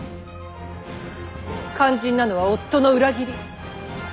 肝心なのは夫の裏切り！